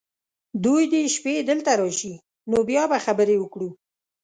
دوی دې شپې دلته راشي ، نو بیا به خبرې وکړو .